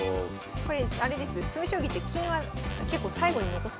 これあれです。